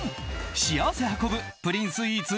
幸せ運ぶプリンスイーツ